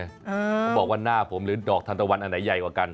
เขาบอกว่าหน้าผมหรือดอกทันตะวันอันไหนใหญ่กว่ากัน